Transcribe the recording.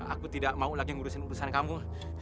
aku tidak mau lagi ngurusin urusan kamu